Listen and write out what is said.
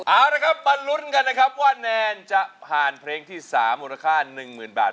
เอาละครับมาลุ้นกันนะครับว่าแนนจะผ่านเพลงที่๓มูลค่า๑๐๐๐บาท